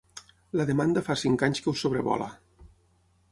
La demanda fa cinc anys que us sobrevola.